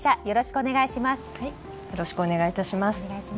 よろしくお願いします。